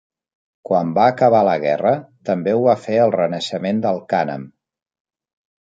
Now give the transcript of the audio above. Quan va acabar la guerra, també ho va fer el renaixement del cànem.